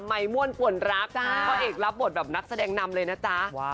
ม่วนป่วนรักพ่อเอกรับบทแบบนักแสดงนำเลยนะจ๊ะ